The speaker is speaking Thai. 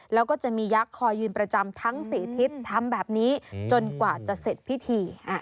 แล้วก็จะมียักษ์คอยยืนประจำทั้ง๔ทิศทำแบบนี้จนกว่าจะเสร็จพิธี